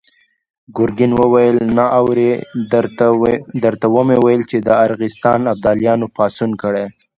ګرګين وويل: نه اورې! درته ومې ويل چې د ارغستان ابداليانو پاڅون کړی.